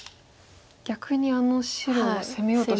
逆にあの白を攻めようと。